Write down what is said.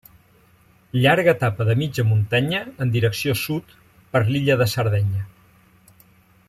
Llarga etapa de mitja muntanya en direcció sud per l'illa de Sardenya.